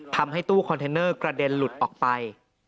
ทำให้ตู้คอนเทนเนอร์กระเด็นหลุดออกไป